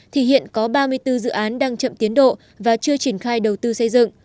thì hiện có ba mươi bốn dự án đang chậm tiến độ và chưa triển khai đầu tư